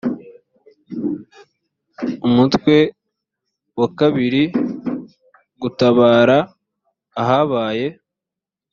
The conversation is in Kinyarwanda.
umutwe wa kabiri gutabara ahabaye